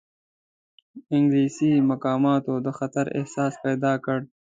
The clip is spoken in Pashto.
انګلیسي مقاماتو د خطر احساس پیدا کړ.